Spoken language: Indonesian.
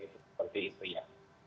seperti itu ya